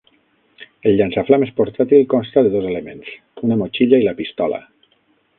El llançaflames portàtil consta de dos elements: una motxilla i la pistola.